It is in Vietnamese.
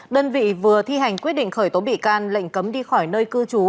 đơn vị vừa thi hành quyết định khởi tố bị can lệnh cấm đi khỏi nơi cư trú